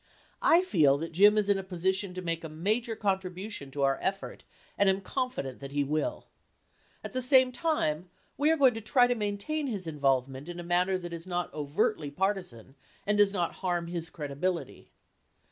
I feel that Jim is in a position to make a major contribu tion to our effort, and am confident that he will. At the same time we are going to try to maintain his involvement in a mannfer that is not overtly partisan and does not harm his credibility.